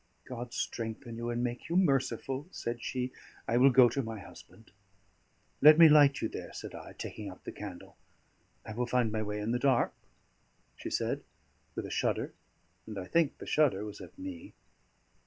'" "God strengthen you, and make you merciful," said she. "I will go to my husband." "Let me light you there," said I, taking up the candle. "I will find my way in the dark," she said, with a shudder, and I think the shudder was at me.